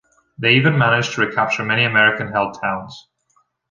They even managed to recapture many American-held towns.